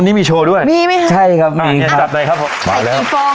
อ๋อนี่มีโชว์ด้วยมีไหมครับใช่ครับมีครับอ่ะอย่าจับใดครับผม